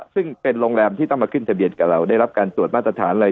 ซึ่งเป็นโรงแรมที่ต้องมาขึ้นทะเบียนกับเราได้รับการตรวจมาตรฐานอะไร